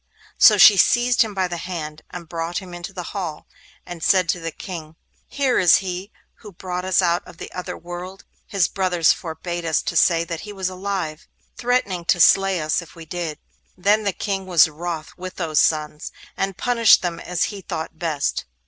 So she seized him by the hand, and brought him into the hall, and said to the King: 'Here is he who brought us out of the other world. His brothers forbade us to say that he was alive, threatening to slay us if we did.' Then the King was wroth with those sons, and punished them as he thought best.